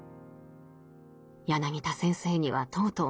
「柳田先生にはとうとう負けたね。